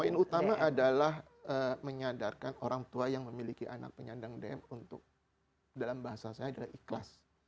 poin utama adalah menyadarkan orang tua yang memiliki anak penyandang dm untuk dalam bahasa saya adalah ikhlas